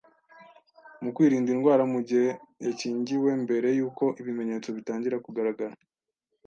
mu kwirinda indwara mu gihe yakingiwe mbere y’uko ibimenyetso bitangira kugaragara